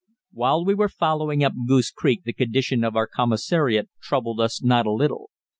While we were following up Goose Creek the condition of our commissariat troubled us not a little.